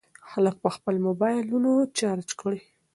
خلک به خپل موبایلونه چارج کړي.